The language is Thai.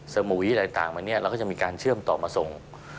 สมุยอะไรต่างวันนี้เราก็จะมีการเชื่อมต่อมาส่ง